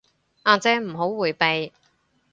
阿姐唔好迴避